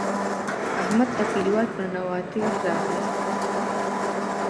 احمد ته کلیوال په ننواتې راغلل.